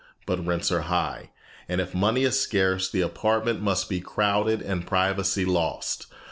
But rents are high, and if money is scarce, the apartment must be crowded and privacy lost.